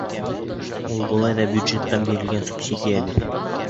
Ул былай ҙа бюджеттан бирелгән субсидия бит.